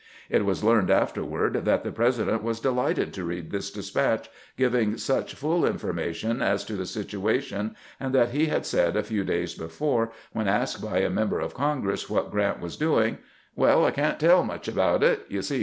It was learned afterward that the President was delighted to read this despatch giving such full information as to the situation, and that he had said a few days before, when asked by a member of Congress what Grrant was doing :" Well, I can't teU much about it. You see.